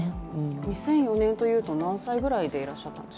２００４年というと何歳くらいでいらっしゃったんですか？